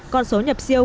còn số nhập siêu